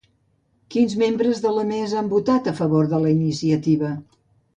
Quins membres de la mesa han votat a favor de la iniciativa?